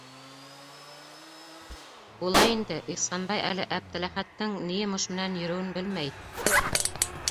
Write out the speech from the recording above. Була инде, - Ихсанбай әле Әптеләхәттең ни йомош менән йөрөүен белмәй.